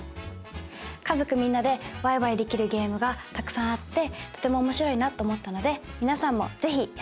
家族みんなでわいわいできるゲームがたくさんあってとても面白いなと思ったので皆さんも是非やってみて下さい。